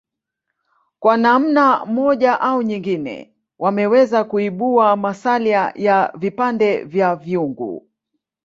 Kwa namna moja au nyengine wameweza kuibua masalia ya vipande vya vyungu